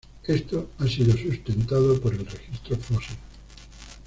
Esto ha sido sustentado por el registro fósil.